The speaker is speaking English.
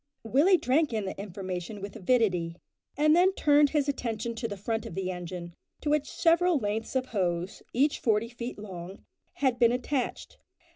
Willie drank in the information with avidity, and then turned his attention to the front of the engine, to which several lengths of hose, each forty feet long, had been attached.